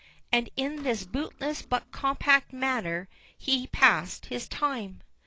And in this bootless but compact manner he passed his time.